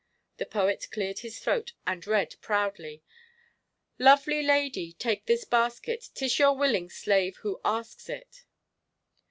The poet cleared his throat and read proudly: "Lovely lady, take this basket; 'Tis your willing slave who asks it."